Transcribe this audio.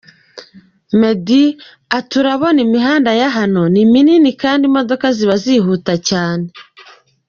Meddy ati “Urabona imihanda ya hano ni minini kandi imodoka ziba zihuta cyane.